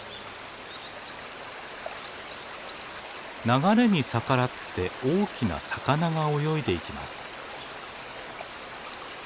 流れに逆らって大きな魚が泳いでいきます。